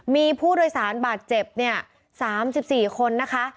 มีผู้โดยสารบาดเจ็บเนี่ย๓๔คนนะคะ